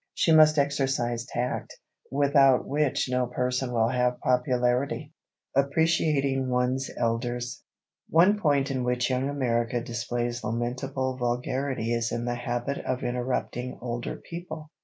She must exercise tact, without which no person will have popularity. [Sidenote: APPRECIATING ONE'S ELDERS] One point in which Young America displays lamentable vulgarity is in the habit of interrupting older people.